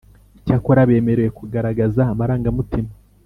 Icyakora bemerewe kugaragaza amarangamutima